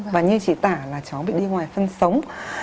và như chị tả là cháu bị đi ngoài phân sống